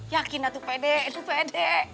yakin aku pede itu pede